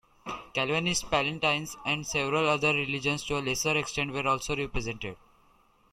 Calvanist Palatines and several other religions to a lesser extent were also represented.